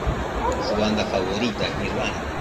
Su banda favorita es Nirvana.